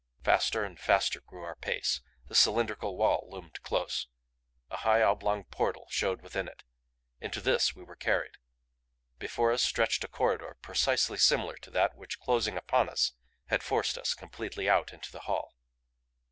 Faster and faster grew our pace. The cylindrical wall loomed close. A high oblong portal showed within it. Into this we were carried. Before us stretched a corridor precisely similar to that which, closing upon us, had forced us completely out into the hall.